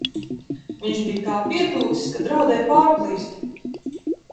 Viņš bija tā pietūcis, ka draudēja pārplīst!